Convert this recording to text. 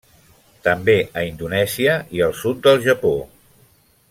També a Indonèsia i al sud del Japó.